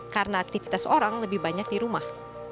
karena aktivitas orang lebih banyak di rumah